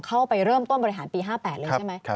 เข้าไปเริ่มต้นบริหารปี๕๘เลยใช่ไหม